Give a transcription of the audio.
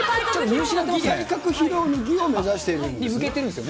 体格披露の儀を目指しているんですね？